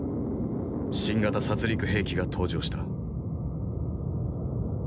新型殺りく兵器が登場した。